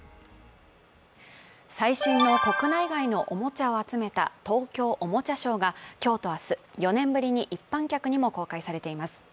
最新の国内外のおもちゃを集めた東京おもちゃショーが今日と明日、４年ぶりに一般客にも公開されています。